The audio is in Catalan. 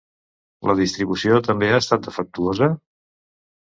La distribució també ha estat defectuosa?